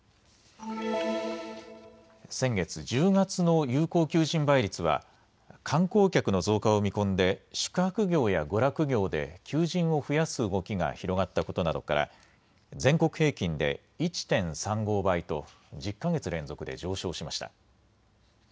先月１０月の有効求人倍率は観光客の増加を見込んで宿泊業や娯楽業で求人を増やす動きが広がったことなどから全国平均で１．３５倍と１０か月連続で上昇しました。